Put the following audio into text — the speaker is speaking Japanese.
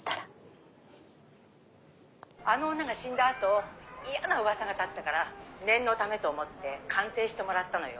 「あの女が死んだあと嫌な噂が立ったから念のためと思って鑑定してもらったのよ。